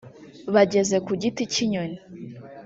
Bageze ku Giti cy’inyoni